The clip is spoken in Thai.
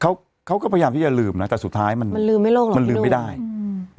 เขาเขาก็พยายามที่จะลืมนะแต่สุดท้ายมันมันลืมไม่โลกเรามันลืมไม่ได้อืม